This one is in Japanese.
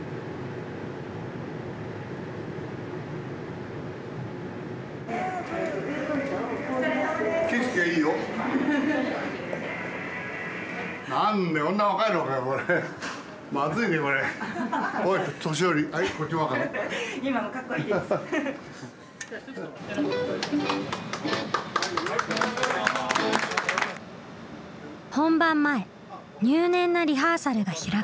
本番前入念なリハーサルが開かれました。